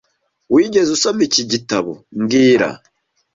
Wigeze usoma iki gitabo mbwira